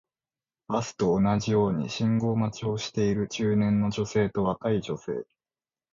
バスと同じように信号待ちをしている中年の女性と若い女性